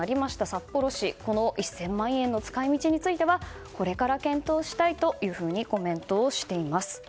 札幌市この１０００万円の使い道についてはこれから検討したいというふうにコメントしています。